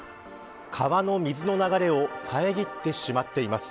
川の水の流れをさえぎってしまっています。